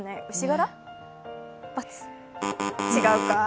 違うか？